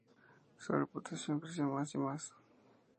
Su reputación creció más y más.